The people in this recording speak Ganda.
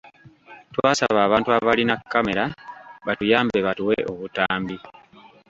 Twasaba abantu abalina kkamera batuyambe batuwe obutambi.